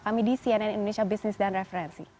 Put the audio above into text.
kami di cnn indonesia business dan referensi